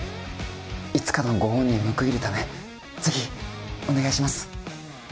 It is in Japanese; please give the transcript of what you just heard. いつかのご恩に報いるためぜひお願いします